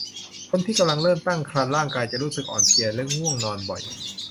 คนที่กำลังเริ่มตั้งครรภ์ร่างกายจะรู้สึกอ่อนเพลียและง่วงนอนบ่อย